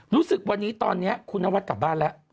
รู้สึกวันนี้ตอนนี้คุณนวัดกลับบ้านแล้ว